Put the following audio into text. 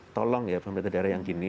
tolong ya pemerintah daerah yang gini